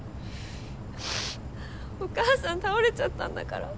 お母さん倒れちゃったんだから。